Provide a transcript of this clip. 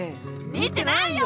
見てないよ！